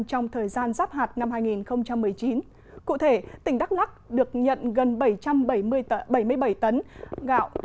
trong thời gian giáp hạt năm hai nghìn một mươi chín cụ thể tỉnh đắk lắc được nhận gần bảy trăm bảy mươi bảy tấn gạo